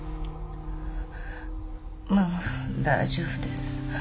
もう大丈夫です。